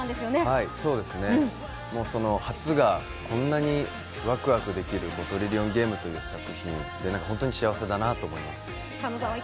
はい、その初がこんなにワクワクできる、「トリリオンゲーム」という作品で本当に幸せだなと思います。